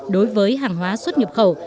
đối với hàng hóa xuất nhập khẩu